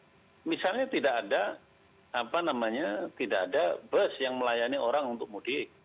karena misalnya tidak ada apa namanya tidak ada bus yang melayani orang untuk mudik